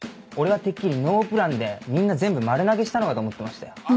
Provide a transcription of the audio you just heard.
俺はてっきりノープランでみんな全部丸投げしたのかと思ってましたよ。